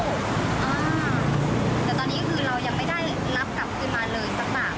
แต่ตอนนี้คือเรายังไม่ได้รับกลับคืนมาเลยสักบาท